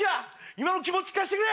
今の気持ち聞かしてくれ！